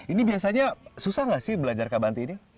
ini biasanya susah nggak sih belajar kabanti ini